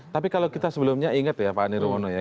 tapi kalau kita sebelumnya ingat ya pak nirwono ya